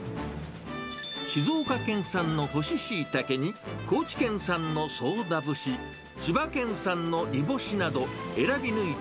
静岡県産の干しシイタケに高知県産の宗田節、千葉県産の煮干しなど、選び抜いた